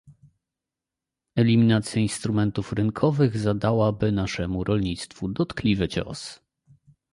Eliminacja instrumentów rynkowych zadałaby naszemu rolnictwu dotkliwy cios